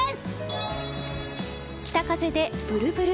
北風でブルブル。